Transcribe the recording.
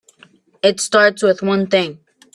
It starts with one thing.